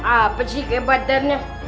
apa sih kehebatannya